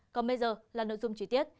còn bây giờ là nội dung trí tiết